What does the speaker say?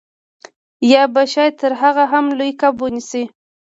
یا به شاید تر هغه هم لوی کب ونیسئ